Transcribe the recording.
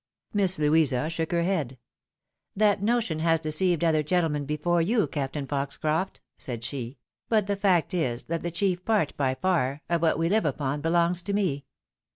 Miss Louisa shook her head. " That notion has deceived other gentlemen before you, Captain Foxcroft," said she ;" but the fact is, that the chief part, by far, of what we hve upon be longs to me.